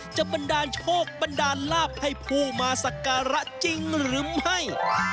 บันดาลโชคบันดาลลาบให้ผู้มาสักการะจริงหรือไม่